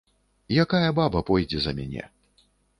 Якая баба пойдзе за мяне?